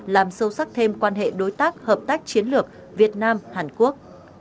làm sâu sắc thêm quan hệ đối tác hợp tác chiến lược việt nam hàn quốc